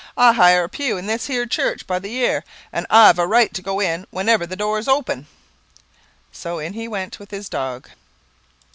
I hire a pew in this here church by the year, and I've a right to go in whenever the door's open." So in he went with his dog.